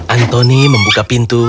anthony membuka pintu